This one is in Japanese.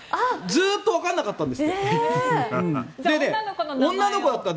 ずっとわからなかったんですって。